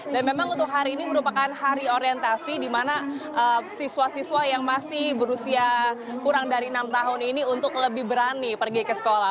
dan memang untuk hari ini merupakan hari orientasi di mana siswa siswa yang masih berusia kurang dari enam tahun ini untuk lebih berani pergi ke sekolah